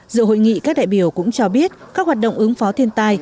dự hội nghị các đại biểu cũng cho biết các hoạt động ứng phó thiên tai